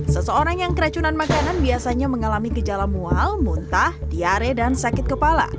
seseorang yang keracunan makanan biasanya mengalami gejala mual muntah diare dan sakit kepala